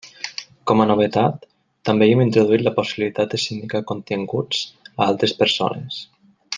Com a novetat, també hi hem introduït la possibilitat de sindicar continguts a altres persones.